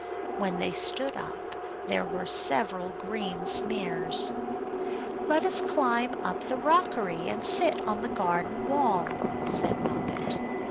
When they stood up there were several green smears! "Let us climb up the rockery, and sit on the garden wall," said Moppet.